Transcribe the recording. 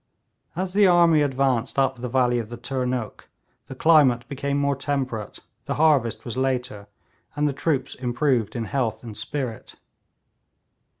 As the army advanced up the valley of the Turnuk, the climate became more temperate, the harvest was later, and the troops improved in health and spirit.